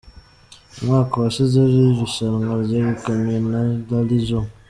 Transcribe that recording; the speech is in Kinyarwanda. Umwaka washize iri rushanwa ryegukanywe na Rally Joe.